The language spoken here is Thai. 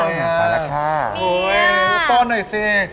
เฮ้ยลูกบ้านหน่อยสิ